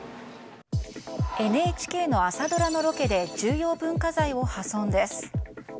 ＮＨＫの朝ドラのロケで重要文化財を破損です。